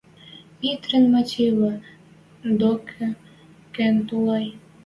– Митрин Матьыве докы кен толай.